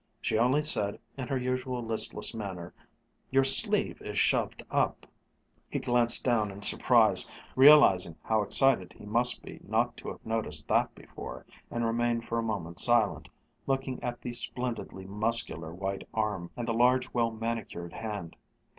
She only said, in her usual listless manner, "Your sleeve is shoved up." He glanced down in surprise, realizing how excited he must be not to have noticed that before, and remained for a moment silent, looking at the splendidly muscular white arm, and the large well manicured hand.